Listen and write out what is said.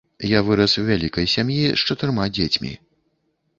Я вырас у вялікай сям'і з чатырма дзецьмі.